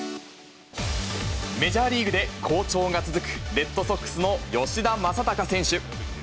メジャーリーグで好調が続くレッドソックスの吉田正尚選手。